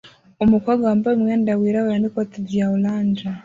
Umukobwa wambaye umwenda wirabura n'ikoti rya orange